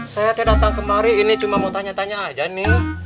saya datang kemari ini cuma mau tanya tanya aja nih